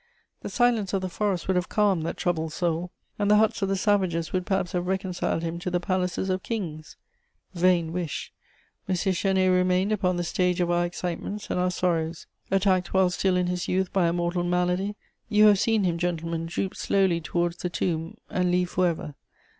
The silence of the forests would have calmed that troubled soul, and the huts of the savages would perhaps have reconciled him to the palaces of kings. Vain wish! M. Chénier remained upon the stage of our excitements and our sorrows. Attacked while still in his youth by a mortal malady, you have seen him, gentlemen, droop slowly towards the tomb and leave for ever....